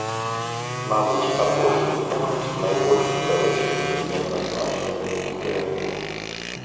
Мабыць, апошні пункт найбольш супярэчлівы і неадназначны ў гэтым пераліку.